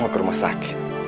mau ke rumah sakit